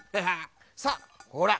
さあほら